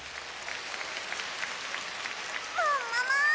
ももも！